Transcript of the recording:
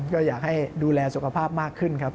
ก็อยากให้ดูแลสุขภาพมากขึ้นครับ